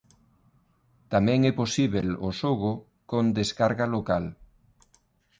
Tamén é posíbel o xogo con descarga local.